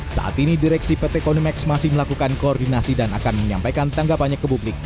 saat ini direksi pt konimax masih melakukan koordinasi dan akan menyampaikan tanggapannya ke publik